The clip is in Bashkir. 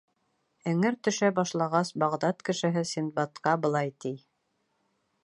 Эңер төшә башлағас, Бағдад кешеһе Синдбадҡа былай ти: